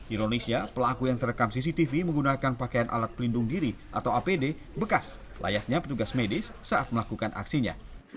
ironisnya pelaku yang terekam cctv menggunakan pakaian alat pelindung diri atau apd bekas layaknya petugas medis saat melakukan aksinya